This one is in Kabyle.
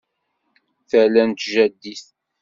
Tala n tjaddit